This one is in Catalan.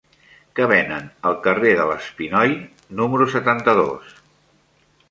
Què venen al carrer de l'Espinoi número setanta-dos?